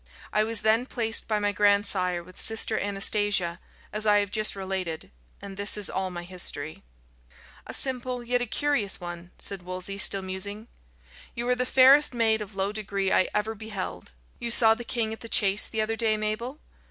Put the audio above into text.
I was then placed by my grandsire with Sister Anastasia, as I have just related and this is all my history." "A simple yet a curious one," said Wolsey, still musing. "You are the fairest maid of low degree I ever beheld. You saw the king at the chase the other day, Mabel?"